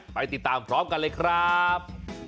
ไปติดตามพร้อมกันเลยครับ